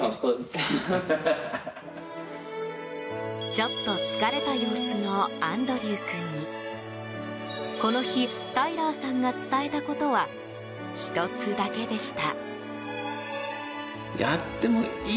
ちょっと疲れた様子のアンドリュウ君にこの日、タイラーさんが伝えたことは１つだけでした。